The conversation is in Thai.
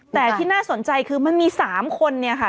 แต่ที่น่าสนใจคือมันมี๓คนเนี่ยค่ะ